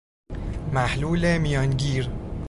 محلول میانگیر